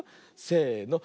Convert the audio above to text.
せの。